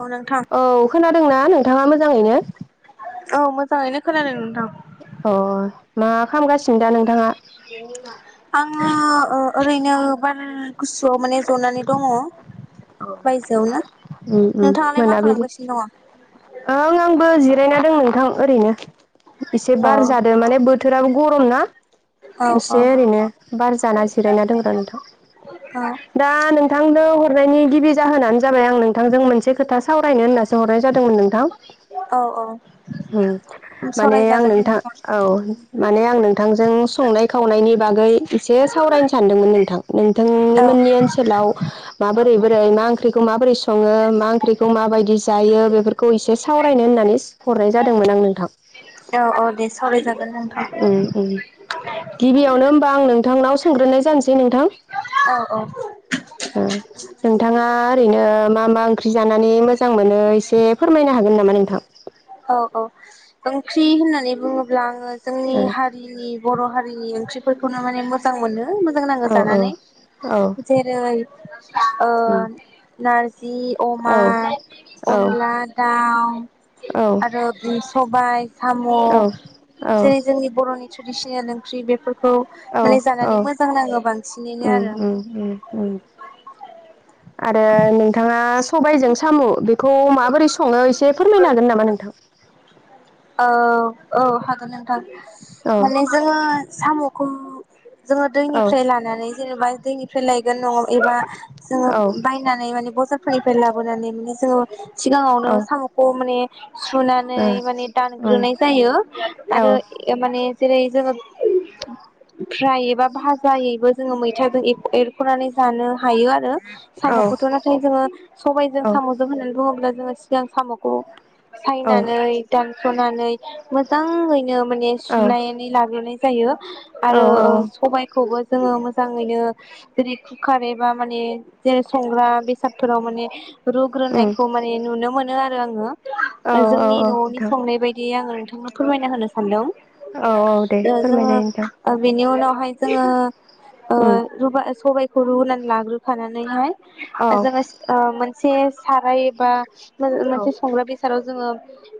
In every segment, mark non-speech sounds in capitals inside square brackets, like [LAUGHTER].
औ नोंथां औ खोनादोंना नोंथाङा मोजाङैनो? औ मोजाङैनो खोनानो नोंथां। अ मा खालामगासिनो दा नोंथाङा? अ ओरैनो बार गुसुआव माने जनानै दङ। अ अ बायजोआवनो उम उम नोंथाङालाय मा मोनाबिलि खालामगासिनो दङ? औ औ ओं दे जिरायना दं नोंथां ओरैनो। एसे अ बार जादों माने बोथोराबो गरम ना औ एसे औ ओरैनो बार जाना जिरायना दंदा नोंथां दा नोंथांनो हरनायनि गिबि जाहोनानो जाबाय आं नोंथांजों मोनसे खोथा सावरायनो होनना सोंहरनाय जादोंमोन नोंथां। उम [INAUDIBLE] माने आं नोंथां औ माने आं नोंथांजों संनाय खावनायनि बागै एसे सावरायनो सानदोंमोन नोंथां नोंथांनि औ मोननि ओनसोलाव माबोरै बोरै मा ओंख्रि खौ माबोरै सङो मा ओंख्रिखौ माबायदि जायो बेफोरखौ इसे सावरायनो होननानै हरनाय जादोंमोन आं नोंथां। औ औ दे सावरायजागोन नोंथां। उम उम गिबियावनो होमबा आं नोंथांनाव सोंग्रोनाय जानोसै नोंथां। औ औ। ओ नोंथाङा ओरैनो मा मा ओंख्रि जानानै मोजां मोनो, एसे फोरमायनो हागोन नामा नोंथां? औ औ ओंख्रि होननानै बुङोब्ला आङो जोंनि ओ हारिनि बर' हारिनि ओंख्रिफोरखौनो माने मोजां मोनो मोजां नाङो औ जानानै औ जेरै ओ उम नारज जि औ अमा अनला दाउ औ आरो बि सबाय साम' औ औ जेरै जोंनि बर'नि थ्रेडिसोनेल ओंख्रि बेफोर खौ औ माने औ जानानै मोजां नाङो बांसिनैनो उम आरो उम उम उम [UNINTELLIGIBLE] आरो नोंथाङा सबायजों साम' बेखौ माबोरै सङो एसे फोरमायनो हागोन नामा नोंथां? औ औ हागोन नोंथां औ माने जोङो साम'खौ जोङो औ दैनिफ्राय लानानै जेनेबा दैनिफ्राय लायगोन न'आव एबा जोङो औ बायनानै माने बजारफोरनिफ्राय लाबोनानै माने जोङो सिगाङावनो औ साम'खौ माने सुनानै उम माने उम दानग्रोनाय जायो औ आरो ए माने जेरै जोङो आयै फिसा फ्राय एबा भाजायैबो जोङो मैथाजों एरख' एरख'नानै जानो हायो आरो औ साम'खौथ' नाथाय जोङो सबायजों साम' जों होननानै बुङोब्ला जोङो सिगां साम'खौ औ सायनानै दानस'नानै मोजाङैनो माने औ सुनायनै लाग्रोनाय जायो आरो औ औ ओ सबायखौबो जोङो मोजाङैनो जेरै खुखार एबा माने जेरै संग्रा बेसादफोराव माने उम रुग्रोनायखौ माने नुनो मोनो आरो आङो ओ औ औ जोंनि न'नि नोंथां बेबायदि आङो नोंथांनो फोरमायना होनो सानदों औ औ दे दा जोङो फोरमायजायो नोंथां ओ बेनि उनाव हाय जोङो ओ उम रुबा ओ सबायखौ रुनानै लाग्रोखानानैहाय औ ओ जोङोस ओ मोनसे साराय एबा मोन औ मोनसे संग्रा बेसादाव जोङो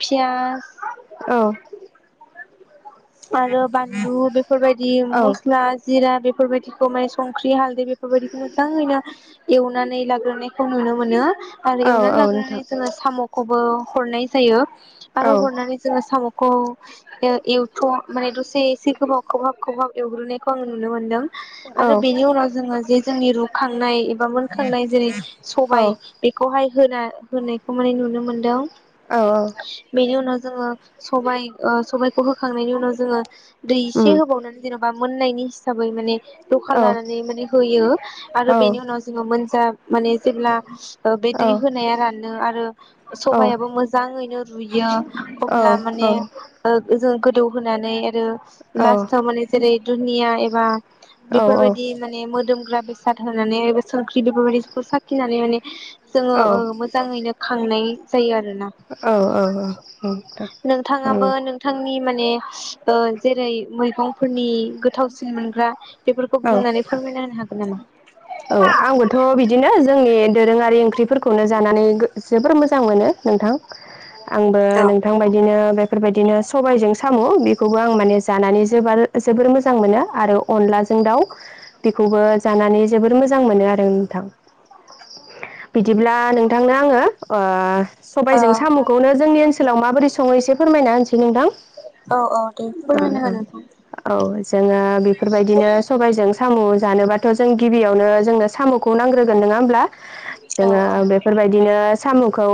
फियास औ आरो बानलु बेफोरबायदि औ मस्ला जिरा बेफ फोरबायदिखौ माने संख्रि हालदै बेफोरबायदिखौ मोजाङैनो एवनानै लाग्रोनायखौ नुनो मोनो। आरो औ एवनानै औ नोंथां लाग्रोनानै जोङो साम'खौबो हरनाय जायो औ आरो हरनानै जोङो साम' अ ए ओ एवथ' माने दसे एसे गोबाव खोबहाब खोबहाब एवग्रोनायखौ आङो नुनो मोन्दों। औ आरो बेनि उनाव जोङो जे जोंनि रुखांनाय एबा मोनखांनाय जेरै सबाय औ बेखौहाय होना होनायखौ माने नुनो मोनदों औ बेनि उनाव जोङो सबाय ओ सबायखौ होखांनायनि उनाव जोङो दै एसे उम होबावनानै जेन'बा मोननायनि हिसाबै माने जखा औ लानानै माने होयो आरो औ औ बेनि उनाव जोङो मोनजा माने जेब्ला ओ बे दै होनाया रानो आरो सबायाबो मोजाङैनो रुयो। अब्ला माने ओग ओ जों गोदौ होनानै एरो। लास्टाव माने जेरै दुनिया एबा औ औ बेफोरबायदि माने मोदोमग्रा बेस साद होनानै एबा संख्रि बेफोरबायदिखौ साखिनानै माने जोङो औ औ ओ मोजाङैनो खांनाय जायो आरोना औ औ नोंथां नोंथाङाबो नोंथां नि माने ओ जेरै मैगंफोरनि गो थावसिन मोनग्रा बेफोरखौ औ बुंनानै फोरमायना होनो हागोन नामा? औ आंबोथ' बिदिनो जोंनि दोरोङारि ओंख्रिफोरखौनो जानानै गो जोबोर मोजां मोनो। नोंथां आंबो औ नोंथांबायदिनो बेफोरबायदिनो सबायजों साम' बेखौबो आं माने जानानै जोब आरो जोबोर मोजां मोनो आरो अनलाजों दाउ बेख खौबो जानानै जोबोर मोजां मोनो आरो नोंथां। बिदिब्ला नोंथांनो आङो ओ ओ सबायजों साम'खौनो जोंनि ओनसोलाव माबोरै सङो एसे फोरमायना होनोसै नोंथां। औ औ दे ओ फोरमायना हो नोंथां ओ ओ ज जोङो बेफोरबायदिनो सबायजों साम' जानोबाथ' जों गिबियावनो जोंनो साम'खौ नांग्रोगोन नोङा होमब्ला औ जोङो बेफोरबायदिनोस साम'खौ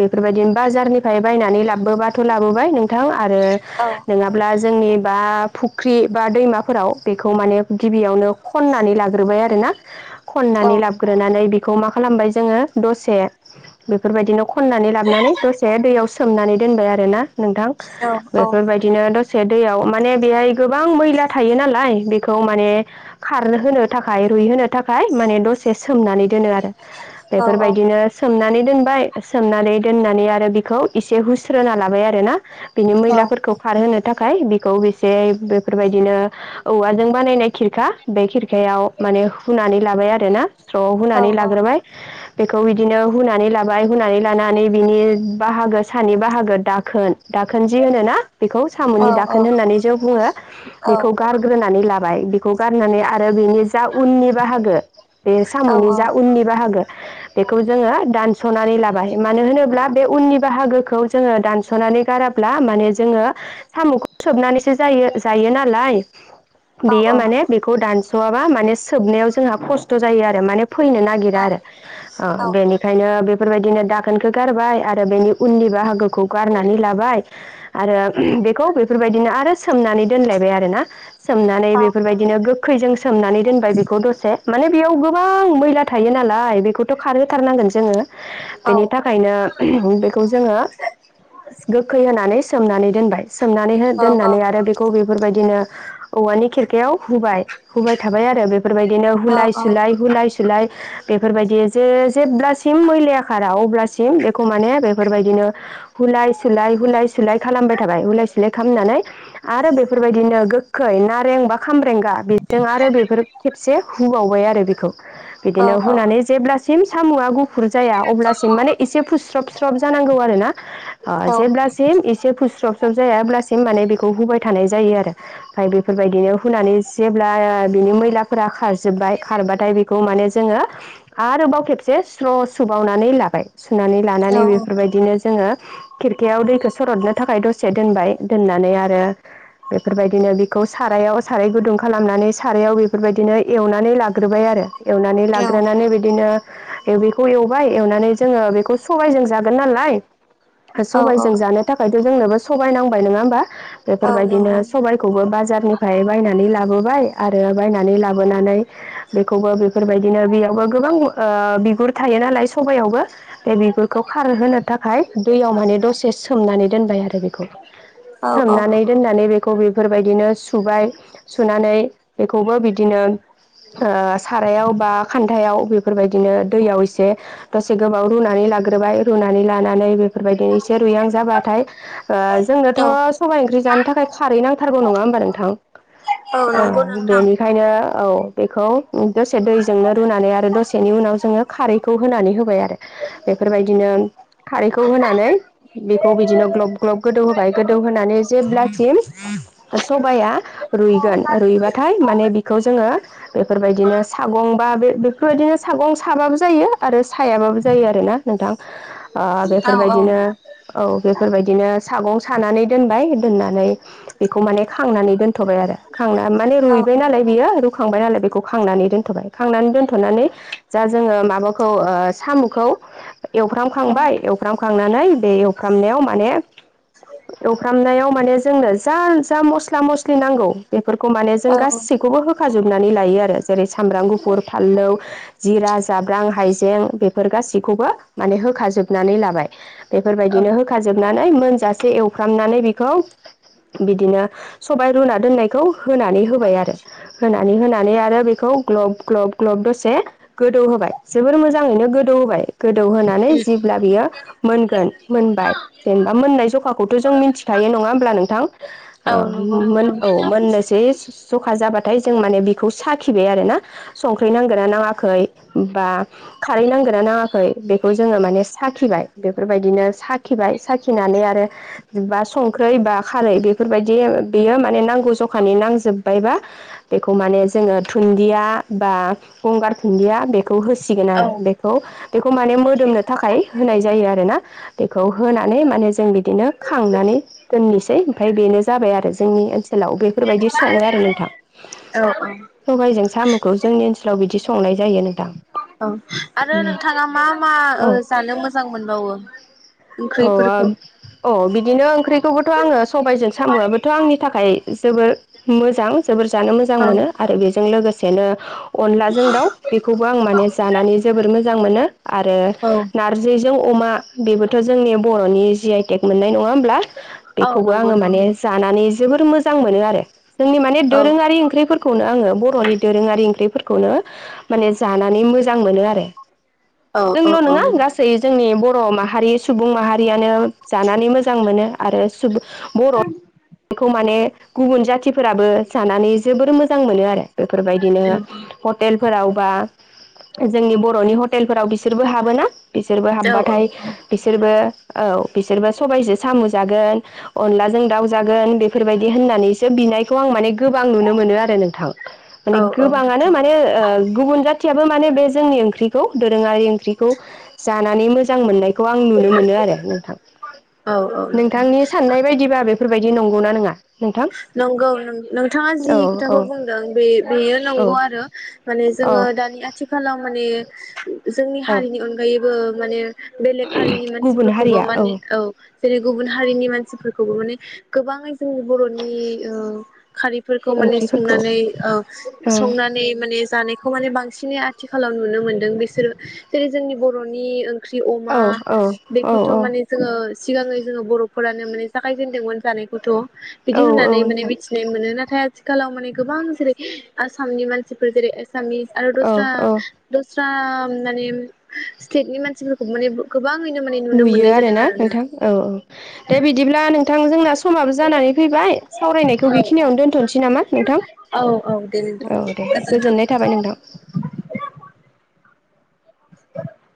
बेफोरबायदिनो बाजारनिफ्राय बायनानै लाबबोबाथ' लाबोबाय नोंथ थां आरो औ नोङाब्ला जोंनि बा फुख्रि बा दैमाफोराव बेखौ माने गिबियावनो खननानै लाग ग्रोबाय आरोना औ खननानै लाबग्रोनानै बेख खौ मा खालामबाय जोङो दसे बेफोरबायदिनो खननानै लाबनानै दसे दैयाव सोमनानै दो दोनबाय आरोना नोंथां औ बेफोरबायदिनो दसे दैयाव माने बेहाय गोबां मैला थायो नालाय बेखौ माने खारनो होनो थाखाय रुइ होनोनो थाखाय माने दसे सोमनानै दोनो आरो औ बेफोरबायदिनो सोमनानै दोनबाय सोमनानै दोननानै आरो बिखौ एसे हुस्रोना लाबाय आरो ना बिनि औ मैलाफोरखौ खारहोनो था खाम बेखौ बेसे बेफोरबायदिनो औवाजों बानायनाय खिरखा बे खिर खायाव माने हुानै लाबाय आरोना स्र' औ हुानै लाग्रोबाय। बेखौ बिदिनो हुनानै लाबाय हुनानै लानानै बिनि बाहागो सानि बाहागो दाखोन दाखोन जि होनोना बेखौ औ साम'नि दाखोन होननानै जों बुङो औ बेखौ गारग्रोनानै ला बाय बिखौ गारनानै आ बेनि जा उननि बाहागो बे औ साम'नि जा औ उननि बाहागो बेखौ जोङो दा दानस'नानै लाबाय मानो होनोब्ला बे उननि बाहागो खौ जोङो दानस'नानै गाराब्ला माने जोङो साम'खौ सोबनानैसो जायो जायोनालाय बेयो माने बेखौ दान्स' माने सोबनायाव जोंहा खस्थ' जायो आरो। माने फैनो नागिरा आरो अ बेनिखायनो बेफोरबायदिनो दाखोनखौ गारबाय आरो बेनि उननि बाहागोखौ गारनानै लाबाय आरो बेखौ बेफोरबायदिनो आरो सोमनानै दोनलाय बाय आरोना सोमनानै बेफोरबायदिनो गोखैजों सोमनानै दोनबाय बेखौ दसे माने बेयाव गोबां मैला थायो नालाय बेखौथ' खारहोथारनांगोन जोङो। बेनि थाखायनो बेखौ जोङो गोखै होनानै सोमनानै दोनबाय सोमनानै हो दोननानै आरो बेखौ बेफोरबाय बिदिनो औवानि खिरखायाव हुबाय हुबाय थाबाय आरो बे बेफोरबायदिनो हुलाय सुलाय हुलाय सुलाय बेफोरबायदि जे जेब्लासिम मैलाया खारा अब्लासिम बेखौ माने बेफोरबायदिनो हु हुलाय सुलाय हुलाय सुलाय खालामबाय थाबाय हुलाय सुलाय खालामनानै आरो बेफोरबायदिनो गोखै नारें बा खामरेंगा बि जों आरो बेफोर खेबसे हुबावबाय आरो बेखौ बिदिनो हुनानै जेब्ला सिम साम'आ गुफुर जाया अब्लासिम माने एसे औ फुस्रबस्रब जानांगौ आरो ना। अ औ औ जेब्लासिम एसे फुस्रब सब जायाब्लासिम माने बेखौ हुबाय थानाय जायो आरो ओमफ्राय बेफोरबायदिनो हुनानै जेब्ला बिनि मैलाफोरा खारजोब्बाय खारबाथाय बेखौ माने जोङो आरोबाव खेबसे स्र' सुबावनानै लाबाय सुनानै औ लानानै बेफोरबायदिनो जोङो खिरखायाव दैखौ सरदनो थाखाय दसे दोनबाय दोननानै आरो बेफोरबायदिनो बेखौ सारायाव साराय गुदुं खालामनानै सारायाव बेफोरबायदिनो एवनानै लाग्रोबाय आरो एवनानै लाग्रोनानै बिदिनो बेखौ एवबाय एवनानै जोङो बेखौ सबायजों जागोन नालाय औ औ सबायजों जानो थाखायथ' जोंनोबो सबाइ नांबाय नङा होनबा। औ बेफोरबायदिनो नंगौ सबायखौबो बाजारनिफ्राय बायनानै ला बाय आरो बायनानै लाबोनानै बेखौबो बेफोरबायदिनो बेयावबो गोबां ओ बिगुर थायो नालाय सबयावबो बे बिगुरखौ खार होनो थाखाय दैयाव माने दसे सोमनानै दोनबाय आरो बेखौ औ औ सोमनानै दोननानै बेखौ बेफोरबायदिनो सुबाय सुनानै बेखौबो बिदिनो सारायाव बा खान्थायाव बेफोरबायदिनो दैयाव एसे दसे गोबाव रुनानै लाग्रोबाय रुनानै लानानै बेफोरबायदिनो एसे रुइहां जाबाथाय ओ जोंनोथ' औ सबाय जानो थाखाय खारै नांथारगौ नङा होमबा नोंथां औ नंगौ ओ नोंथां बेनिखायनो औ बेखौ दसे दैजोंनो रुनानै आरो दसेनि उनाव जोङो खारैखौ होनानै होबाय आरो। बेफोरबायदिनो खारैखौ होनानै बेखौ बिदिनो ग्लब ग्लब गोदौ होबाय गोदौ होना नानै जेब्लासिम सबाया रुइगोन रुइबाथाय माने बिखौ जोङो बेफोरबायदिनो सागं बा बे बेफोरबायदिनो सागं साबाबो जायो आरो सायाबाबो जायो आरोना नोंथां। आ औ औ बेफोरबायदिनो औ बे बेफोरबायदिनो सागं सानानै दोनबाय दोननानै बेखौ माने खांनानै दोनथ'बाय आरो। खांना माने औ रुइबाय नालाय बियो। खांबाय नालाय बेखौ खांनानै दोनथ'बाय खांनानै दोनथ'नानै जा जोङो माबाखौ ओ साम'खौ एवफ्रामखांबाय एवफ्रामखांनानै बे एवफ्रामनायाव माने एवफ्रामनायाव माने जोंनो जा जा मस्ला मस्लि जि नांगौ बेफोरखौ माने औ जों गासैखौबो होखा जोबनानै लायो आरो जेरै सामब्राम गुफुर फानलौ जिरा जाब्रां हाइजें बेफोर गासिब बिखौबो माने होखाजोबनानै लाबाय औ बेफोरबायदिनो होखाजोबनानै मोनजासे एवफ्रामनानै बेखौ बिदिनो सबाय रुना दोननायखौ होनानै होबाय आरो होनानै होनानै आरो बेखौ ग्लब ग्लब ग्लब दसे गोदौ होबाय जोबोर मोजाङैनो गोदौ होबाय गोदौहोनानै जेब्ला बियो मोनगोन मोनबाय जेनेबा मोननाय जखाखौथ' जों मिन्थिखायो नङा होमब्ला नोंथां? औ नं मोन औ मोननोसै जखा जाबाथाय जों माने बिखौ साखिबाय आरो ना संख्रि नांगोना नाङाखै बा खारै नांगोना नाङाखै बेखौ जोङो माने साखिबाय बेफोरबायदिनो साखिबाय साखिनानै आरो बा संख्रै बा खारै बेफोरबायदि बियो माने नांगौ जखानि नांजोब्बायबा बेखौ माने जोङो थुन्दिया बा गंगार दुन्दिया बेखौ होसिगोन औ आरो बेखौ बेखौ माने मोदोमनो थाखाय होनाय जायो आरोना बेखौ होनानै माने जों बिदिनो खांनानै दोननोसै ओमफ्राय बेनो जाबाय आरो जोंनि ओनसोलाव बेफोरबायदि सङो आरो नोंथां औ औ। सबायजों सामखौ जोंनि ओनसोलाव बिदि संनाय जायोनोंथां। औ आरो नोंथाङा मा मा ओ जानो मोजां मोनबावो? अ औ ओंख्रिफोरखौ अ बि दिनो ओंख्रिखौबोथ आङो सबायजों सामआबोथ आंनि थाखाय जोबोर मोजां जोबोर जानो मोजां औ मोनो आरो बेजों लोगोसे सेनो अनलाजों दाउ बेखौबो आं माने जानानै जोबोर मोजां मोनो। आरो औ नारजिजों अमा बेबोथ जोंनि बर'नि जि आइ टेक मोननाय नङा होमब्ला? औ बेखौबो नंगौ आङो माने नंगौ जानानै जोबोर मोजां मोनो आरो जोंनि माने औ दोरोङारि ओंख्रिफोरखौ खौनो आङो बर'नि दोरोङारि ओंख्रिफोरखौनो माने जानानै मोजां मोनो आरो। औ औ जोंल औ नङा गासै जोंनि बर' माहारि सुबुं माहारियानो जानानै मोजां मोनो आरो सुबुं बर' बेखौ माने गुबुन जाथिफोराबो जानानै जोबोर मोजां मोनो आरो बेफोरबायदिनो नोंथां हटेलफोराव बा जोंनि बर'नि हटेलफोराव बिसोरबो हाबोना। बिसोरबो औ औ हाबबाथाय रोबो औ बिसोरबो सबायजों साम' जागोन अनलाजों दाउ जागोन बेफोरबायदि होन हानैसो बिनायखौ आं माने गोबां नुनो मोनो आरो नोंथां माने औ गोबाङानो नोंथां माने ओ गुबुन जाथियाबो माने बे जोंनि ओंख्रिखौ दोरोङारि ओंख्रिखौ जानानै मोजां मोननाय खौ आं नुनो मोनो आरो नोंथां औ औ नोंथां नोंथांनि साननाय बायदिबा बे बेफोरबायदि नंगौनाा नङा? नोंथां नंगौ नोंथाङा जि औ खोथाखौ औ बुंदों बे बेयो औ नंगौ आरो माने औ जोङो दानि आथिखालाव माने जोंनि औ हारिनि अनगायैबो माने बेलेग हारिनि गुबुन मानसिफोरखौबो हारिया माने औ जेरै गुबुन हारिनि मानसि फोरखौबो ने गोबाङै जोंनि बर'नि ओ खारैफोरखौ माने ओंख्रिफोरखौ संनानै ओ ओ संनानै माने जानायखौ माने बां सिनि आथिखालाव नुनो मोनदों बिसोरो जेरै जोंनि बर'नि ओं ख्रि औ अमा औ बेखौथ औ माने जोङो सिगाङै जोङो बरफोरानो माने जाखायजेनदोंमोन जानायखौथ औ बिदि औ होननानै माने नोंथां मिथिनाय मोनो नाथाय आथिखालाव माने गोबां जेरै आसामनि मानसिफोर जेरै सामिस आरो औ गोस्रा औ दस्रा माने स्टेटनि मानसिफोरखौ माने गोखो नुयो आरोना नोंथां औ औ दा बिदिब्ला नोंथां जोंना समाबो जानानै फैबा हाय सावरायनायखौ औ बेखिनियावनो दोनथनोसै नामा नोंथां औ औ दे नोंथां औ दे गोजोनथों गोजोननाय थाबाय नोंथां